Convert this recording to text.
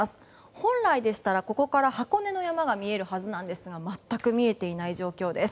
本来でしたら、ここから箱根の山が見えるはずですが全く見えていない状況です。